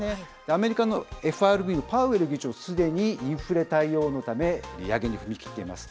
アメリカのＦＲＢのパウエル議長、すでにインフレ対応のため、利上げに踏み切っています。